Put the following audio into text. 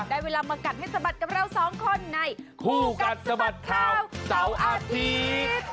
ได้เวลามากัดให้สะบัดกับเราสองคนในคู่กัดสะบัดข่าวเสาร์อาทิตย์